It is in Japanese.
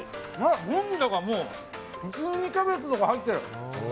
もんじゃが、もう普通にキャベツとか入ってる。